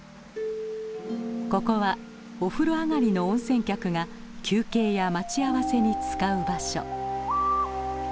ここはお風呂上がりの温泉客が休憩や待ち合わせに使う場所。